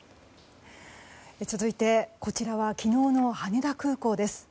続いて、こちらは昨日の羽田空港です。